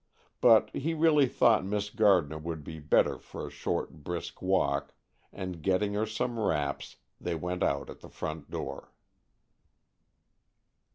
But he really thought Miss Gardner would be better for a short, brisk walk, and, getting her some wraps, they went out at the front door. VII MR.